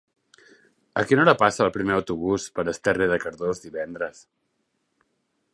A quina hora passa el primer autobús per Esterri de Cardós divendres?